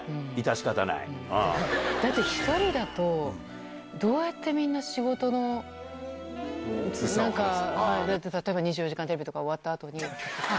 だって、１人だと、どうやってみんな仕事の、なんか、例えば、２４時間テレビとか終わったあとに。